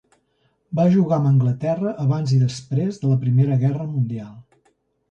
Va jugar amb Anglaterra abans i després de la Primera Guerra Mundial.